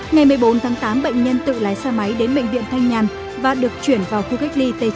ngày một mươi bốn tháng tám bệnh nhân tự lái xe máy đến bệnh viện thanh nhàn và được chuyển vào khu cách ly t chín